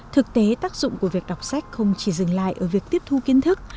thực tế tác dụng của việc đọc sách không chỉ dừng lại ở việc tiếp thu kiến thức